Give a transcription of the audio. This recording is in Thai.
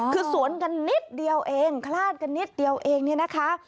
คือสวนกันนิดเดียวเองคลาดกันนิดเดียวเองเนี่ยนะคะ